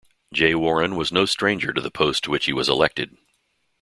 Jay Warren was no stranger to the post to which he was elected.